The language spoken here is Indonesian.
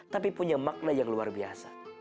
tapi punya makna yang luar biasa